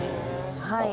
はい。